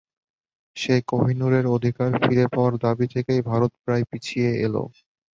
সেই কোহিনূরের অধিকার ফিরে পাওয়ার দাবি থেকে ভারত প্রায় পিছিয়েই এল।